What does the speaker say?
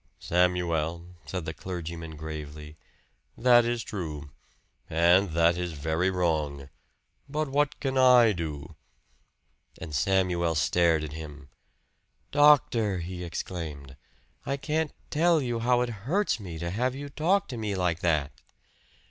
"Samuel," said the clergyman gravely, "that is true and that is very wrong. But what can I do?" And Samuel stared at him. "Doctor!" he exclaimed. "I can't tell you how it hurts me to have you talk to me like that!"